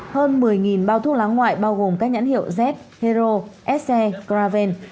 hơn một mươi bao thuốc lá ngoại bao gồm các nhãn hiệu z hero se graven